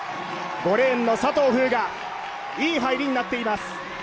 ５レーンの佐藤風雅、いい入りになっています。